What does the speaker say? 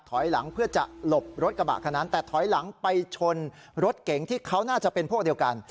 ถอยหลังเพื่อจะหลบรถกระบะคนนั้นแต่ถอยหลังไปชนรถเก๋งที่เขาน่าจะเป็นพวกเดียวกัน